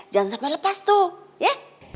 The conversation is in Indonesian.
jangan sampai lepas tuh ya